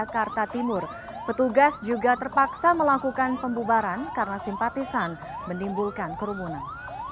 di jakarta timur petugas juga terpaksa melakukan pembubaran karena simpatisan menimbulkan kerumunan